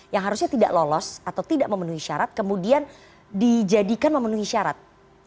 yang harusnya tidak lolos atau tidak memenuhi syarat kemudian dijadikan memenuhi syarat